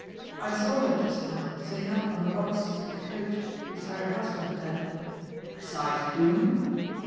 I saw her just now sitting up on the box seat of the coach beside her husband, and *' "Beside whom?''